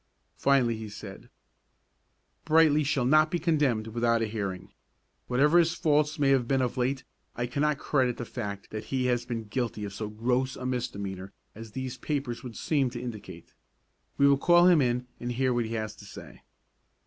Finally he said, "Brightly shall not be condemned without a hearing. Whatever his faults may have been of late, I cannot credit the fact that he has been guilty of so gross a misdemeanor as these papers would seem to indicate. We will call him in and hear what he has to say."